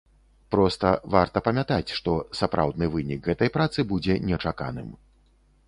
Проста варта памятаць, што сапраўдны вынік гэтай працы будзе нечаканым.